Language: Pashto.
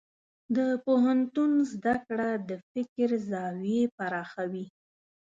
د پوهنتون زده کړه د فکر زاویې پراخوي.